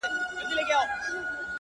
• څوک به څرنګه ځان ژغوري له شامته ,